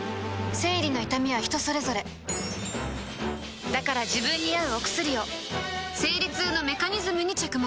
生理の痛みは人それぞれだから自分に合うお薬を生理痛のメカニズムに着目